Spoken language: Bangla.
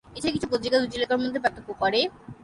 এছাড়া কিছু পত্রিকা দুটি এলাকার মধ্যে পার্থক্য করে।